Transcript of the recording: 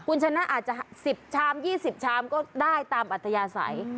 คุณชนะอาจจะ๑๐ชาม๒๐ชามก็ได้ตามอัธยาศัย